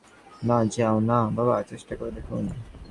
না - যাও না, বাবা - চেষ্টা করে দেখুন।